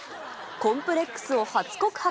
コンプレックスを初告白。